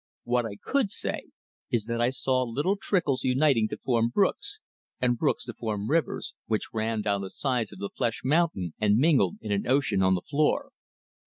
What I could say is that I saw little trickles uniting to form brooks, and brooks to form rivers, which ran down the sides of the flesh mountain, and mingled in an ocean on the floor.